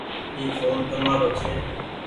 اي ڦون تمآرو ڇي۔